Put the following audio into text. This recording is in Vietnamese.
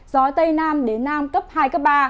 gió tây nam đến nam cấp hai cấp ba